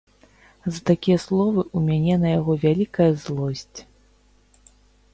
За такія словы ў мяне на яго вялікая злосць.